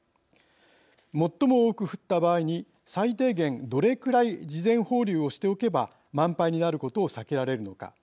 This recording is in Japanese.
最も多く降った場合に最低限どれくらい事前放流をしておけば満杯になることを避けられるのか。